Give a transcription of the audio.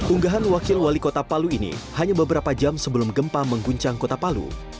unggahan wakil wali kota palu ini hanya beberapa jam sebelum gempa mengguncang kota palu